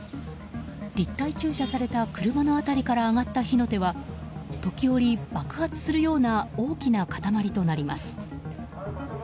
立体駐車された車の辺りから上がった火の手は時折、爆発するような大きな塊となります。